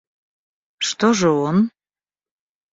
Что же он?